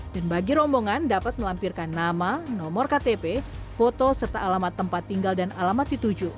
dan bagi rombongan dapat melampirkan nama nomor ktp foto serta alamat tempat tinggal dan alamat t tujuh